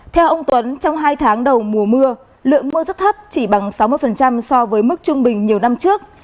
theo ông tuấn trong hai tháng đầu mùa mưa lượng mưa rất thấp chỉ bằng sáu mươi so với mức trung bình nhiều năm trước